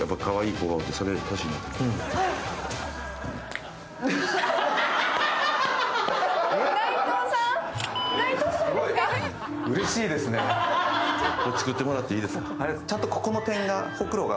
これ作ってもらっていいですか。